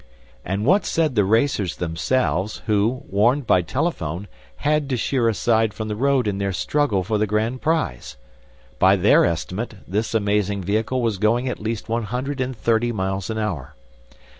And what said the racers themselves, who, warned by telephone, had to sheer aside from the road in their struggle for the grand prize? By their estimate, this amazing vehicle was going at least one hundred and thirty miles an hour.